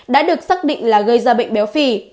đã được xác định là gây ra bệnh béo phì